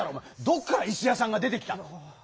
どっから「いしやさん」が出てきたの？